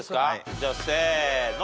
じゃあせーの。